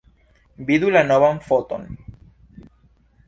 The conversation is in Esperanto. Vidu la novan foton.